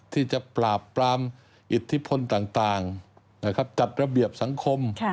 ที่จะปราบปรามอิทธิพลต่างจัดระเบียบสังคม